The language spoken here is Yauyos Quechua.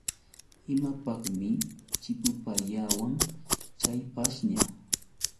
¿Imapaqmi chipupayawan chay pashña.?